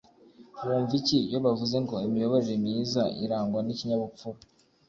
wumva iki iyo bavuze ngo imiyoborere myiza irangwa n’ikinyabupfura